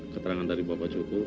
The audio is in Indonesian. keterangan dari bapak cukup